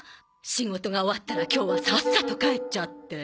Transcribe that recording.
仕事が終わったら今日はさっさと帰っちゃって。